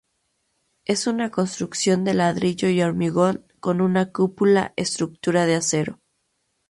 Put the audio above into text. Es una construcción de ladrillo y hormigón con una cúpula estructura de acero.